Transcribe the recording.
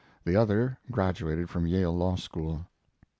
The other graduated from the Yale Law School.